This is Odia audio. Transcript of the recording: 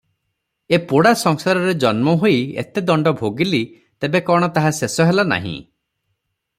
ଏ ପୋଡ଼ା ସଂସାରରେ ଜନ୍ମ ହୋଇ ଏତେଦଣ୍ଡ ଭୋଗିଲି ତେବେ କଣ ତାହା ଶେଷ ହେଲା ନାହିଁ ।